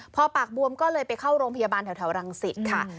พอปากบวมก็เลยไปเข้าโรงพยาบาลแถวรังสิตค่ะ